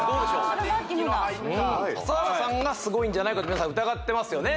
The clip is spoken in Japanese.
ああ年季の入った笠原さんがすごいんじゃないかと皆さん疑ってますよね？